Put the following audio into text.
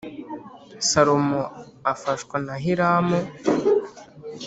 Salomo afashwa na hiramu